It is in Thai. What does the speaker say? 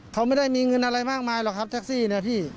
เขาไม่ได้มีเงินอะไรมากมายหรอกครับแท็กซี่เนี่ยพี่